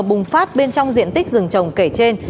bùng phát bên trong diện tích rừng trồng kể trên